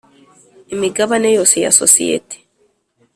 Imigabane yose ya sosiyete